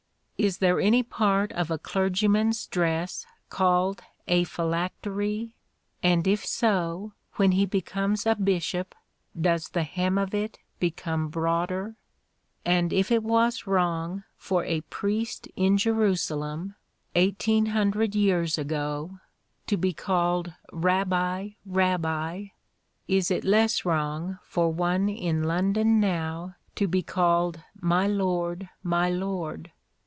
Is there any part of a clergyman's dress called a phylactery; and if so, when he becomes a bishop, does the hem of it become broader? and if it was wrong for a priest in Jerusalem, eighteen hundred years ago, to be called "Rabbi, Rabbi," is it less wrong for one in London now to be called "My lord, My lord"?